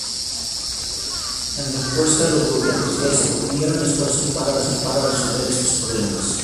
En respuesta, los gobiernos y la burguesía unieron esfuerzos para resolver estos problemas.